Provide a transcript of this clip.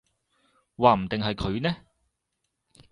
話唔定係佢呢